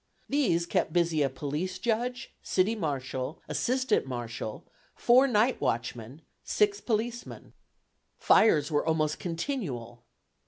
These kept busy a police judge, city marshal, assistant marshal, four night watchmen, six policemen. Fires were almost continual.